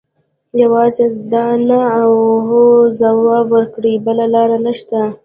یوازې د نه او هو ځواب ورکړي بله لاره نشته.